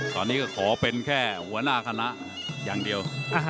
ตอนนี้ก็ขอเป็นแค่หัวหน้าคณะอย่างเดียว